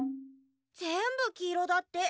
ぜんぶきいろだって。